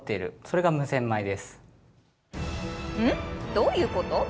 どういうこと？